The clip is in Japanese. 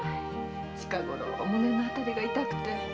近ごろ胸の辺りが痛くて。